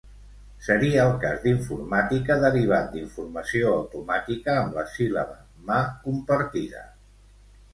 Seria el cas d'informàtica derivat d'informació automàtica, amb la síl·laba mà compartida.